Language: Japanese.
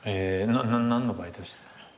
何のバイトしてた？